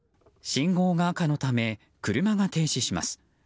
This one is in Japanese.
信号が赤のため車が停止します。